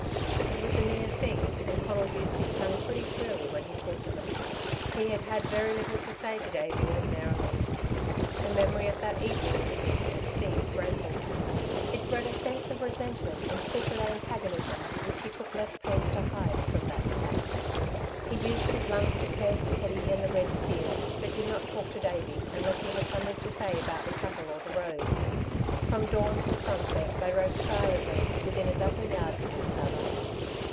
It was a near thing, and Conal used his tongue pretty freely when he talked of it. He had had very little to say to Davey, ordinarily. The memory of that evening in the kitchen at Steve's rankled. It bred a sense of resentment and secret antagonism which he took less pains to hide, from that night. He used his lungs to curse Teddy and the red steer, but did not talk to Davey unless he had something to say about the cattle or the road. From dawn till sunset they rode silently within a dozen yards of each other.